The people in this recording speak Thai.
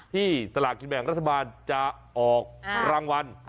ที่ตลาดกิจแบบของรัฐบาลจะออกรางวัล